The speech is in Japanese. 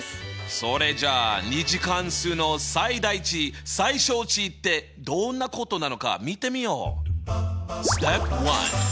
それじゃあ２次関数の最大値・最小値ってどんなことなのか見てみよう！